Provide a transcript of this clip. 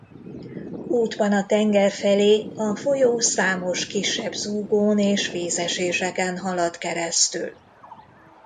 Útban a tenger felé a folyó számos kisebb zúgón és vízeséseken halad keresztül.